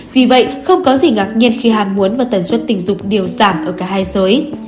vì vậy không có gì ngạc nhiên khi ham muốn và tần suất tình dục đều giảm ở cả hai giới